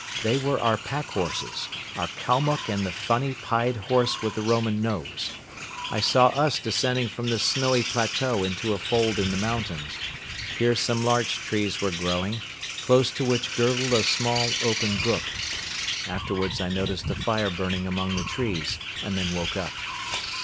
They were our pack horses, our Kalmuck and the funny pied horse with the Roman nose. I saw us descending from this snowy plateau into a fold in the mountains. Here some larch trees were growing, close to which gurgled a small, open brook. Afterwards I noticed a fire burning among the trees and then woke up.